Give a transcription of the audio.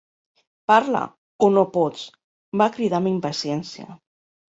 "Parla, o no pots?", va cridar amb impaciència.